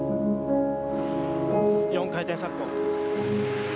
４回転サルコー。